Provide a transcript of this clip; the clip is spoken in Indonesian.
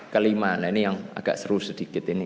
kelima nah ini yang agak seru sedikit ini